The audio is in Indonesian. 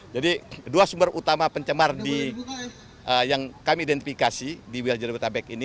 jadi dua sumber utama pencemaran yang kami identifikasi di wiljardabetabek ini